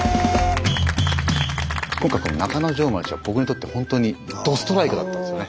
今回この中之条町は僕にとってほんとにどストライクだったんですよね。